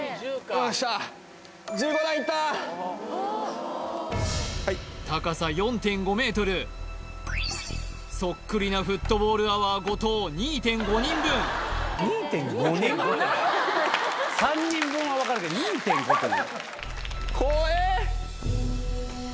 よっしゃはいそっくりなフットボールアワー後藤２．５人分３人分は分かるけど２．５って何？